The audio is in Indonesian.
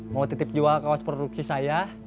mau titip jual kaos produksi saya